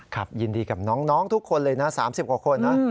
ยินดีกับน้องทุกคนเลยนะ๓๐กว่าคนนะ